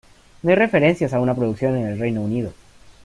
No hay referencias a una producción en el Reino Unido.